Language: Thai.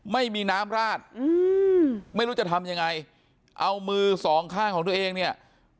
ไม่มีน้ำราดอืมไม่รู้จะทำยังไงเอามือสองข้างของตัวเองเนี่ย